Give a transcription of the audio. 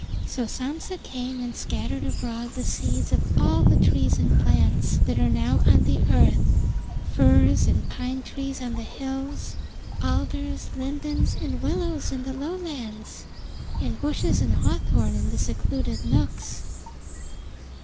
So Sampsa came and scattered abroad the seeds of all the trees and plants that are now on the earth, firs and pine trees on the hills, alders, lindens, and willows in the lowlands, and bushes and hawthorn in the secluded nooks.